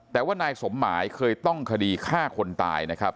แต่ว่านายสมหมายเคยต้องคดีฆ่าคนตายนะครับ